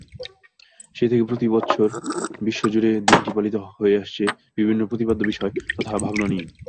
সেই থেকে প্রতি বৎসর বিশ্ব জুড়ে দিনটি পালিত হয়ে আসছে বিভিন্ন প্রতিপাদ্য বিষয় তথা ভাবনা নিয়ে।